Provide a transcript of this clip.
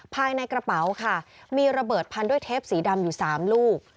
ภายในกระเป๋าค่ะมีระเบิดพันด้วยเทปสีดำอยู่๓ลูก